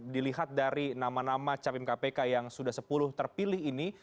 dilihat dari nama nama capim kpk yang sudah sepuluh terpilih ini